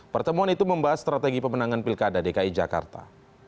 pertemuan itu membahas strategi pemenangan pilkada dki jakarta